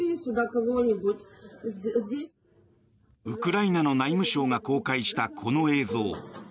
ウクライナの内務省が公開したこの映像。